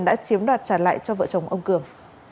đã chiếm đoạt trả lại cho vợ chồng ông cường